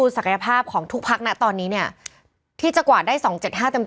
ดูศักยภาพของทุกภาคนะคะตอนนี้เนี่ยที่จะกว่าได้สองเจ็ดห้าเต็ม